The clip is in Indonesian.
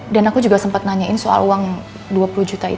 dan aku juga sempat nanyain soal uang dua puluh juta